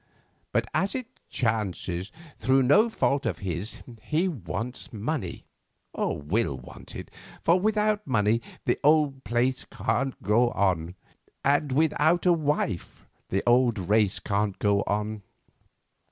But, as it chances, through no fault of his, he wants money, or will want it, for without money the old place can't go on, and without a wife the old race can't go on.